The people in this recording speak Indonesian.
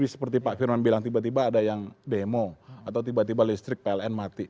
seperti pak firman bilang tiba tiba ada yang demo atau tiba tiba listrik pln mati